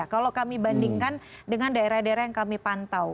kalau kami bandingkan dengan daerah daerah yang kami pantau